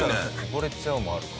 溺れちゃうもあるか。